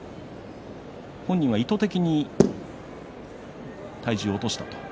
本人は意図的に体重を落としたと。